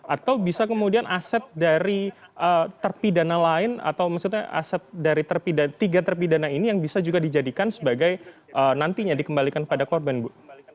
atau bisa kemudian aset dari terpidana lain atau maksudnya aset dari tiga terpidana ini yang bisa juga dijadikan sebagai nantinya dikembalikan kepada korban bu